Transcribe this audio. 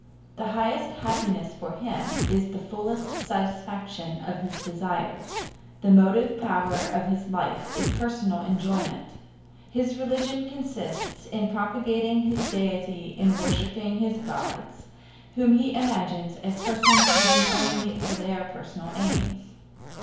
The highest happiness for him is the fullest satisfaction of his desires. The motive power of his life is personal enjoyment. His religion consists in propitiating his deity and in worshiping his gods, whom he imagines as persons living only for their personal aims.